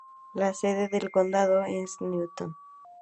La sede del condado es Newton.